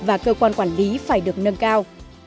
và cơ quan quản lý phải được nâng cao